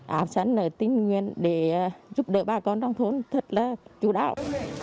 và ảo sân là tin nguyên để giúp đỡ ba con trong thốn thật là chủ đạo